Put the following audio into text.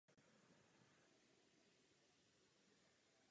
Na samotném vrcholu je postavena z kamenů mohyla ve tvaru válce.